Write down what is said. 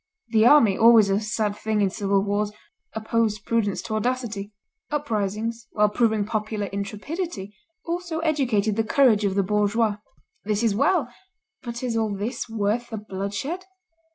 The army, always a sad thing in civil wars, opposed prudence to audacity. Uprisings, while proving popular intrepidity, also educated the courage of the bourgeois. "This is well. But is all this worth the bloodshed?